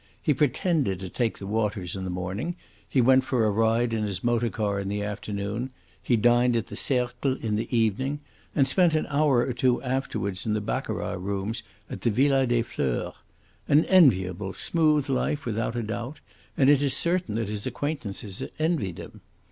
He pretended to take the waters in the morning, he went for a ride in his motor car in the afternoon, he dined at the Cercle in the evening, and spent an hour or two afterwards in the baccarat rooms at the Villa des Fleurs. An enviable, smooth life without a doubt, and it is certain that his acquaintances envied him.